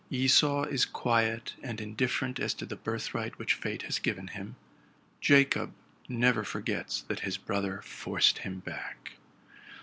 Esau is quiet and indifferent as to the birthright which fate has given him: Jacob never forgets that his brother forced him back.